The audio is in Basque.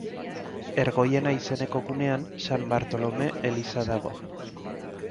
Ergoiena izeneko gunean San Bartolome eliza dago.